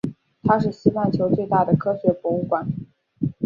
它是西半球最大的科学博物馆。